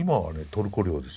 トルコ領ですよ。